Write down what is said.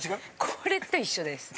これと一緒です